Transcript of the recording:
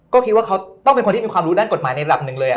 ก็คิดว่าเขาต้องเป็นคนที่มีความรู้ด้านกฎหมายในหลักหนึ่งเลย